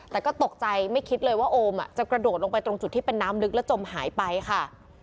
แต่ก็ตกใจไม่คิดเลยว่าโอมจะกระโดดลงไปตรงจุดที่เป็นน้ำลึกแล้วจมหายไปค่ะ